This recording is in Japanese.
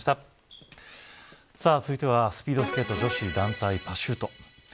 続いてはスピードスケート女子団体パシュート。